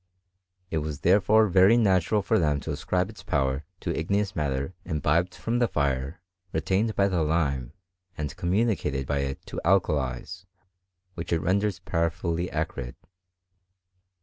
It was therefore very natural for the# to ascribe its power to igneous matter imbibed fr<^ the fire, retained by the lime, and communicated by it to alkalies, which it renders powerfully acrid.